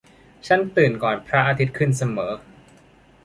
ฉันตื่นก่อนพระอาทิตย์ขึ้นเสมอ